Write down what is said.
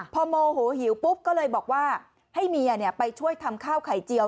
พอโมโหหิวปุ๊บก็เลยบอกว่าให้เมียไปช่วยทำข้าวไข่เจียว